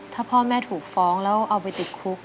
ถ้าพ่อแม่ถูกฟ้องแล้วเอาไปติดคุก